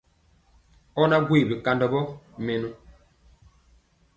Ɔ na gwee bikandɔ vɔ mɛnɔ.